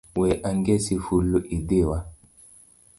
We angesi fulu idhiwa